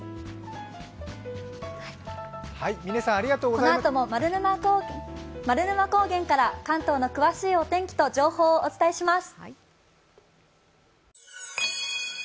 このあとも丸沼高原から関東の詳しいお天気と情報をお伝えします。